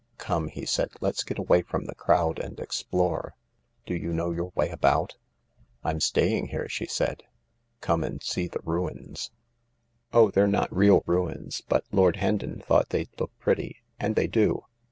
"Come," he said, "let's get away from the crowd and explore. Do you know your way about ?"" I'm staying here," she said. " Come and see the ruins. Oh, they're not real ruins, but Lord Hendon thought they'd look pretty. And they do.